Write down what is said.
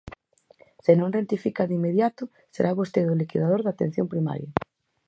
Se non rectifica de inmediato, será vostede o liquidador da atención primaria.